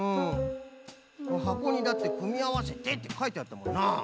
はこにだって「くみあわせて」ってかいてあったもんな。